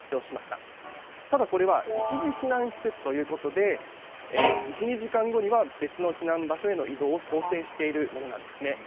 ただこれは一時避難施設ということで１２時間後には別の避難場所への移動を想定しているものなんです。